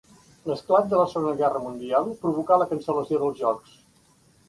L'esclat de la Segona Guerra Mundial provocà la cancel·lació dels Jocs.